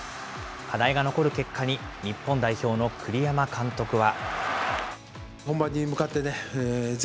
課題が残る結果に、日本代表の栗山監督は。